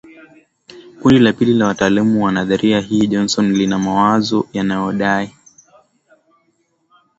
Kundi la pili la wataalamu wa nadharia hii Johnson lina mawazo yanayodai kwamba